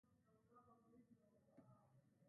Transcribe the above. تزار پالیسي مطالعه کړې وه.